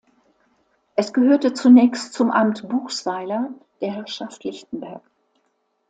Es gehörte zunächst zum Amt Buchsweiler der Herrschaft Lichtenberg.